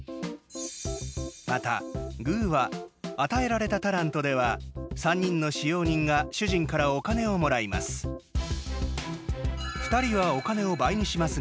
また、寓話「与えられたタラント」では３人の使用人が主人からお金をもらいます。